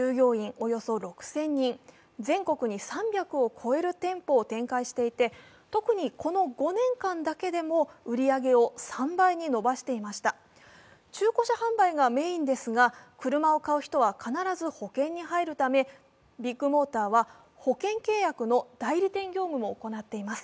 およそ６０００人、全国に３００を超える店舗を展開していて、特にこの５年間だけでも売り上げを３倍に伸ばしていました中古車販売がメインですが車を買う人は必ず保険に入るためビッグモーターは保険契約の代理店業務も行っています。